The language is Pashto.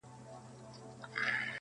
د هلک موري جنتي شې!!